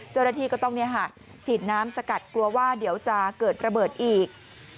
เจ้าหน้าที่ก็ต้องฉีดน้ำสกัดกลัวว่าเดี๋ยวจะเกิดระเบิดอีก